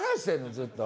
ずっと。